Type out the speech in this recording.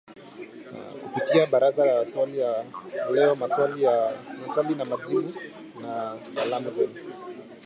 kupitia Barazani na Swali la Leo Maswali na Majibu na Salamu Zenu